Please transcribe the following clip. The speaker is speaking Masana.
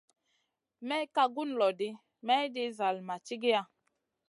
May ka gun lo ɗi, mayɗin zall ma cigiya.